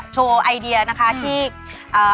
โชว์ไอเดียนะคะที่